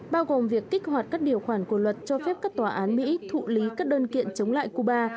bao gồm việc kích hoạt các điều khoản của luật cho phép các tòa án mỹ thụ lý các đơn kiện chống lại cuba